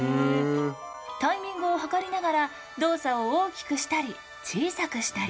タイミングを計りながら動作を大きくしたり小さくしたり。